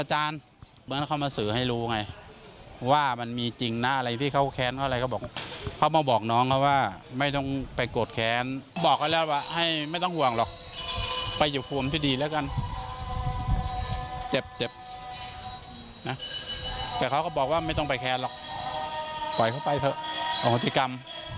แต่เขาก็บอกว่าไม่ต้องไปแค้นหรอกปล่อยเขาไปเถอะโหติกรรม